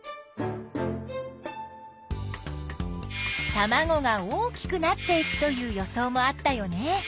たまごが大きくなっていくという予想もあったよね。